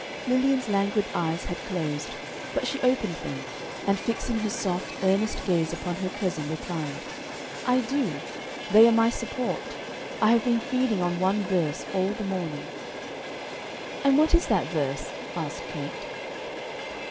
Lilian's languid eyes had closed, but she opened them, and fixing her soft, earnest gaze upon her cousin, replied, "I do they are my support; I have been feeding on one verse all the morning." "And what is that verse?" asked Kate.